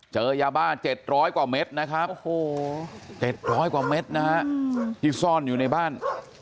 เจอยาบ้า๗๐๐กว่าเม็ดนะครับ๗๐๐กว่าเม็ดนะฮะที่ซ่อนอยู่ในบ้าน